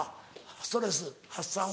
ストレス発散は。